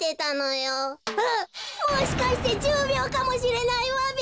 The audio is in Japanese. もしかしてじゅうびょうかもしれないわべ。